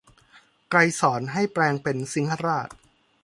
ไกรสรให้แปลงเป็นสิงหราช